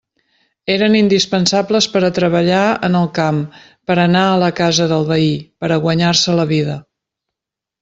Eren indispensables per a treballar en el camp, per a anar a la casa del veí, per a guanyar-se la vida.